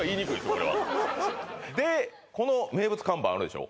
これはでこの名物看板あるでしょ？